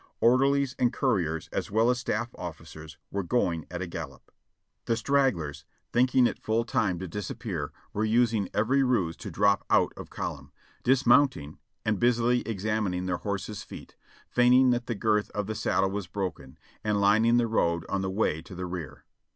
Orderlies and couriers, as well as staff officers, were going at a gallop. The stragglers, thinking it full time to disappear, were using every ruse to drop out of column ; dismounting, and busily examining their horses' feet, feigning that the girth of the saddle was broken, and lining the road on the way to the rear.